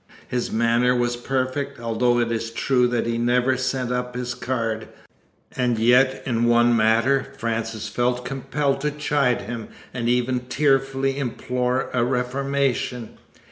His manners were perfect, although it is true that he never sent up his card, and yet in one matter Frances felt compelled to chide him and even tearfully implore a reformation.